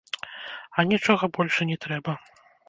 А нічога больш і не трэба.